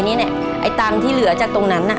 นี้ใช่ไหมตังที่เหลืออ่ะ